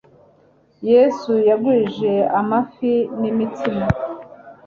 Yesu yagwije amafi nimitsima